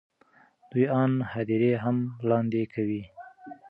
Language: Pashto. دوی آن هدیرې هم لاندې کوي.